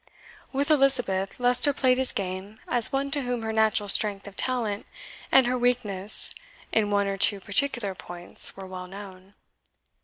With Elizabeth, Leicester played his game as one to whom her natural strength of talent and her weakness in one or two particular points were well known.